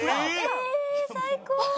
ええ最高！